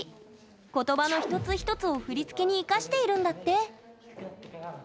言葉の一つ一つを振り付けに生かしているんだって。